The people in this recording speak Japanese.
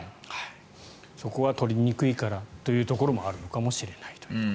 そこは取りにくいからというところもあるのかもしれない。